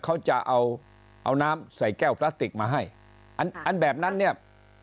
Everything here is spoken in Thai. เขาจะเอาเอาน้ำใส่แก้วพลาสติกมาให้อันอันแบบนั้นเนี่ย